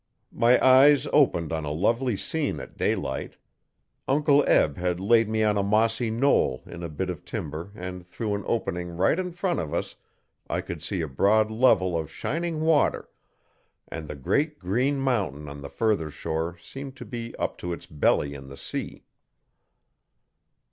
My eyes opened on a lovely scene at daylight. Uncle Eb had laid me on a mossy knoll in a bit of timber and through an opening right in front of us I could see a broad level of shining water, and the great green mountain on the further shore seemed to be up to its belly in the sea.